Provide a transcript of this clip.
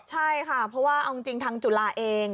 ใช่ค่ะเพราะว่าเอาจริงทางจุฬาเอง